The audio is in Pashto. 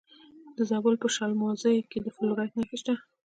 د زابل په شمولزای کې د فلورایټ نښې شته.